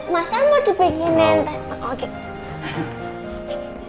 mas aku mau dipingin nanti